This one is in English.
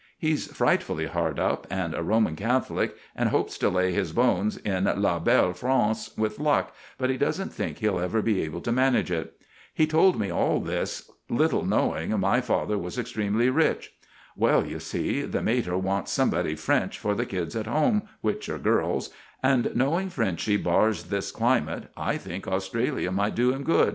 He's frightfully hard up, and a Roman Catholic, and hopes to lay his bones in la belle France with luck, but he doesn't think he'll ever be able to manage it. He told me all this, little knowing my father was extremely rich. Well, you see, the mater wants somebody French for the kids at home, which are girls, and, knowing Frenchy bars this climate, I think Australia might do him good.